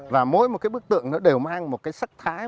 và mỗi một cái bức tượng nó đều mang một cái sắc thái